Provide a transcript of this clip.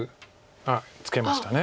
あっツケました。